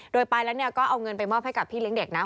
โดยไปแล้วก็เอาเงินไปมอบให้กับพี่เลี้ยงเด็กนะ